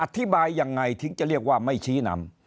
อธิบายยังไงถึงจะเรียกว่าไม่ชี้นำ